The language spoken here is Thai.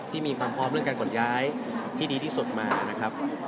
มีความพร้อมเรื่องการขนย้ายที่ดีที่สุดมานะครับ